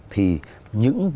thì những việc